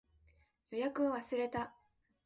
予約を忘れた